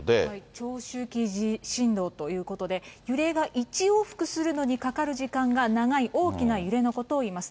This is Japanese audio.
長周期地震動ということで、揺れが１往復するのにかかる時間が長い大きな揺れのことをいいます。